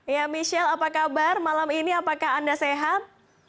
ya michelle apa kabar malam ini apakah anda sehat